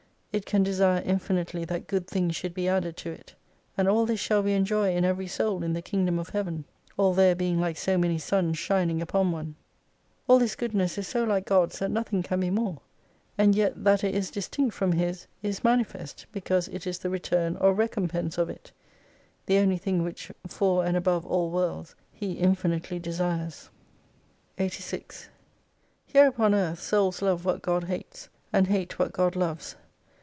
It can desire infinitely that good things should be added to it. And all this shall we enjoy in every soul in the Kingdom of Heaven. All there being like so many Suns shining upon one. All this goodness is so like God's, that nothing can be more. And yet that it is distinct from His, is manifest because it is the return or recompense of it : the only thing which for and above all worlds He infinitely desires. 86 Here upon Earth souls love what God hates, and hate what God loves.